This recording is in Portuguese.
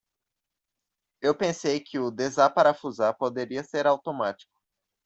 Eu pensei que o desaparafusar poderia ser automático.